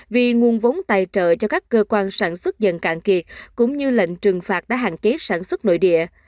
vì nguồn vốn tài trợ cho các cơ quan sản xuất dần cạn kiệt cũng như lệnh trừng phạt đã hạn chế sản xuất nội địa